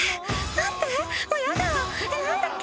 待って！